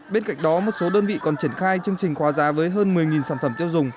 bên cạnh đó một số đơn vị còn triển khai chương trình khóa giá với hơn một mươi sản phẩm tiêu dùng